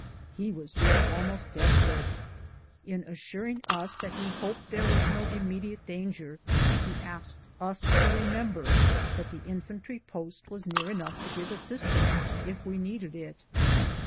He was driven ahnost desperate. In assuring us that he hoped there was no immediate danger, he asked us to remem ber that the infantry post was near enougli to give as sistance if we needed it.